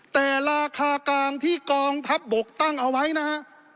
แต่ราคากลางที่กองทัพบกตั้งเอาไว้นะฮะ